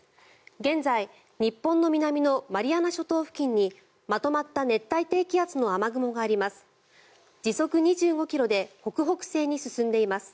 現在、日本の南のマリアナ諸島付近にまとまった熱帯低気圧の雨雲があります。